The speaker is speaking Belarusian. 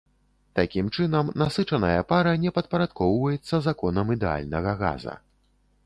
Такім чынам насычаная пара не падпарадкоўваецца законам ідэальнага газа.